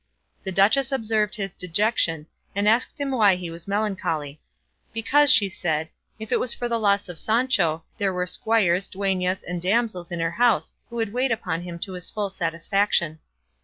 The duchess observed his dejection and asked him why he was melancholy; because, she said, if it was for the loss of Sancho, there were squires, duennas, and damsels in her house who would wait upon him to his full satisfaction.